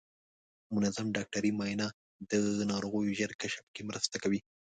منظم ډاکټري معاینه د ناروغیو ژر کشف کې مرسته کوي.